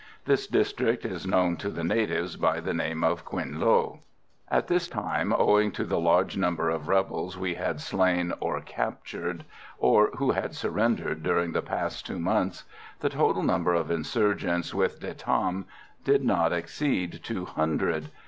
This district is known to the natives by the name of Quinh Low. At this time, owing to the large number of rebels we had slain or captured, or who had surrendered during the past two months, the total number of insurgents with De Tam did not exceed two hundred.